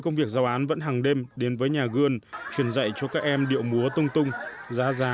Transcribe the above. công việc giao án vẫn hàng đêm đến với nhà gươn truyền dạy cho các em điệu múa tung tung giá giá